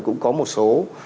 cũng có một số